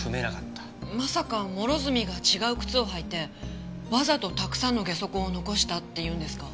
まさか諸角が違う靴を履いてわざとたくさんのゲソ痕を残したって言うんですか？